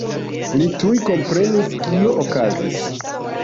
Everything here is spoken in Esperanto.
Li tuj komprenis, kio okazis.